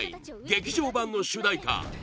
劇場版の主題歌